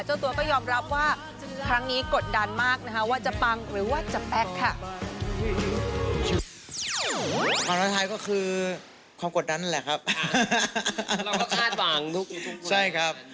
เจ้าตัวก็ยอมรับว่าครั้งนี้กดดันมากนะครับ